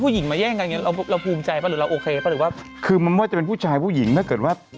พี่ภูมิใจปะ